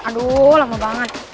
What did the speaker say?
aduh lama banget